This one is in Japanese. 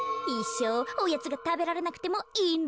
おやつがたべられなくてもいいんですか？